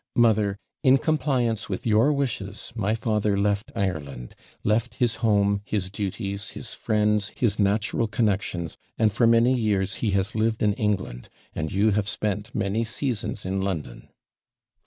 Mother, in compliance with your wishes my father left Ireland left his home, his duties, his friends, his natural connexions, and for many years he has lived in England, and you have spent many seasons in London.'